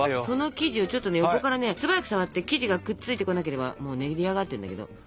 その生地をちょっとね横からね素早く触って生地がくっついてこなければもう練り上がってんだけど。